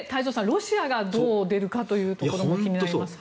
ロシアがどう出るかというところも気になります。